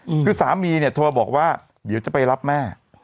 อืมคือสามีเนี้ยโทรบอกว่าเดี๋ยวจะไปรับแม่